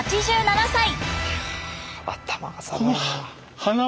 ８７歳。